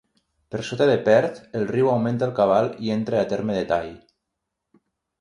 Per sota de Perth, el riu augmenta el cabal i entra al terme de Tay.